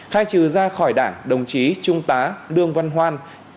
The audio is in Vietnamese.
khai trừ ra khỏi đảng đồng chí trung tá đương văn hoan